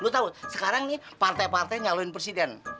lu tau sekarang nih partai partai nyaluin presiden